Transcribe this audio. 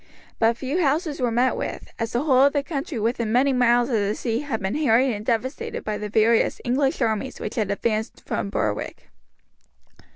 But few houses were met with, as the whole of the country within many miles of the sea had been harried and devastated by the various English armies which had advanced from Berwick.